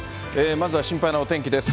まずは心配なお天気です。